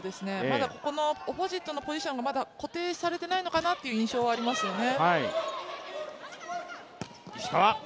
まだここのオポジットのポジションが固定されていないのかなという印象はありますよね。